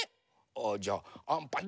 ああじゃあアンパン。